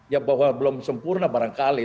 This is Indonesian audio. ya bahwa belum sempurna barangkali